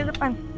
di depan ya ayo